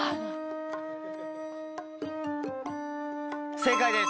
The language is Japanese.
正解です。